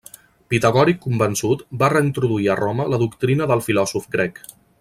Pitagòric convençut, va reintroduir a Roma la doctrina del filòsof grec.